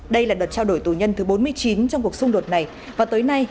đây là đợt trao đổi tù nhân thứ bốn mươi chín trong cuộc xung đột này và tới nay